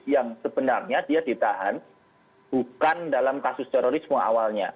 yang sebenarnya dia ditahan bukan dalam kasus terorisme awalnya